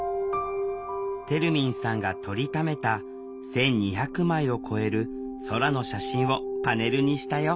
てるみんさんが撮りためた１，２００枚を超える空の写真をパネルにしたよ